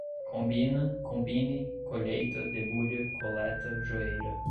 combina, combine, colheita, debulha, coleta, joeira